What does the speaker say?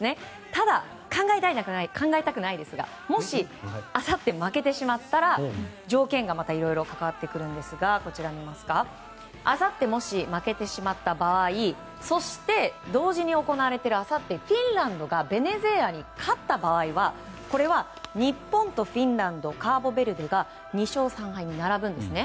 ただ、考えたくないですがもし、あさって負けてしまったら条件がいろいろ関わってくるんですがあさってもし、負けてしまった場合そして、同時に行われているあさって、フィンランドがベネズエラに勝った場合は日本とフィンランドとカーボベルデが２勝３敗に並ぶんですね。